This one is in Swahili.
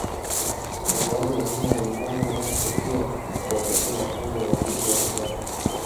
Mojawapo wa aina ya ulemavu wanaowapokea na kuwapatia mafunzo ya uandishi wa habari